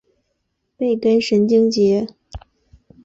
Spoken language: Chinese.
背根神经节。